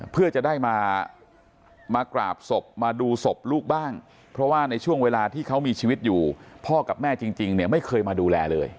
เพื่อจะได้มากราบศพมาดูศพลูกบ้างเพราะว่าในช่วงเวลาที่เขามีชีวิตอยู่พ่อกับแม่จริงเนี่ยไม่เคยมาดูแลเลย